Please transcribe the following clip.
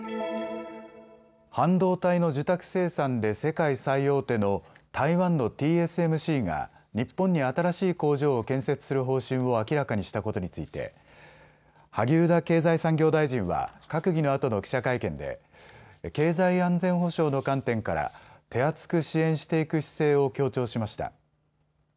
半導体の受託生産で世界最大手の台湾のＴＳＭＣが日本に新しい工場を建設する方針を明らかにしたことについて萩生田経済産業大臣は閣議のあとの記者会見で経済安全保障の観点から手厚く支援していく姿勢を強調しました。